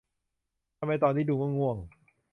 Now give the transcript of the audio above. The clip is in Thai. ทำไมตอนนี้ดูง่วงง่วง